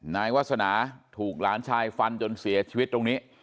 นายวาสนาถูกหลานชายฟันจนเสียชีวิตตรงนี้